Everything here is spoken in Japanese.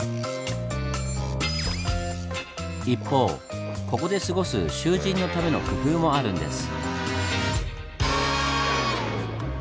一方ここで過ごす囚人のための工夫もあるんです。